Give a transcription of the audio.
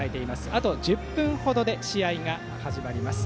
あと１０分ほどで試合が始まります。